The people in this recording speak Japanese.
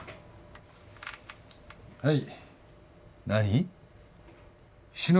はい。